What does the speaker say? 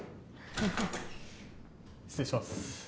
失礼します。